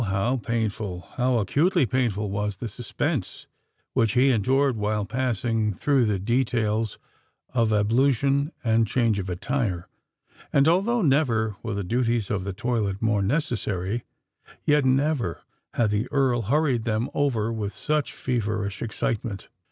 how painful—how acutely painful was the suspense which he endured while passing through the details of ablution and change of attire; and, although never were the duties of the toilette more necessary, yet never had the Earl hurried them over with such feverish excitement.